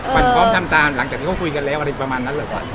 ขวัญพร้อมทำตามหลังจากที่เขาคุยกันแล้วอะไรประมาณนั้นเหรอขวัญ